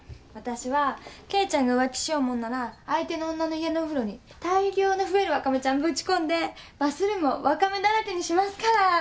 わたしはケイちゃんが浮気しようもんなら相手の女の家のお風呂に大量の「ふえるわかめちゃん」ぶち込んでバスルームをワカメだらけにしますから。